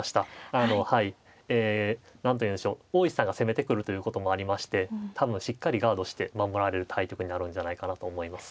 あのはいえ何というのでしょう大石さんが攻めてくるということもありまして多分しっかりガードして守られる対局になるんじゃないかなと思います。